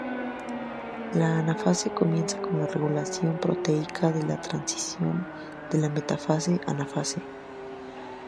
La anafase comienza con la regulación proteica de la transición de metafase-anafase.